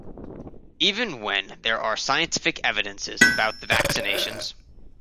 Even when there are scientific evidences about the vaccinations.